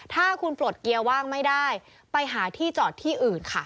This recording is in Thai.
ถ้าคุณปลดเกียร์ว่างไม่ได้ไปหาที่จอดที่อื่นค่ะ